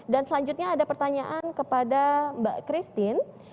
dan selanjutnya ada pertanyaan kepada mbak christine